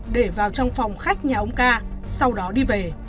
để vào trong phòng khách nhà ông ca sau đó đi về